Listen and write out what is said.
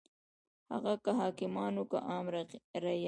هغه که حاکمان وو که عام رعیت.